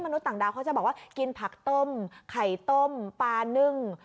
ต่างดาวเขาจะบอกว่ากินผักต้มไข่ต้มปลานึ่ง